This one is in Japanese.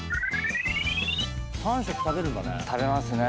３食食べるんだね。